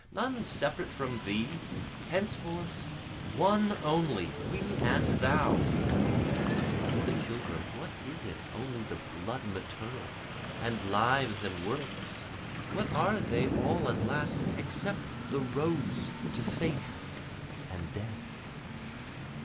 None separate from thee henceforth One only, we and thou, (For the blood of the children, what is it, only the blood maternal? And lives and works, what are they all at last, except the roads to faith and death?)